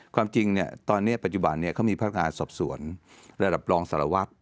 ความจริงตอนนี้ปัจจุบันเขามีพนักงานสอบสวนระดับรองสารวัตร